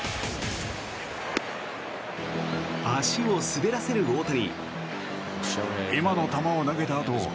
足を滑らせる大谷。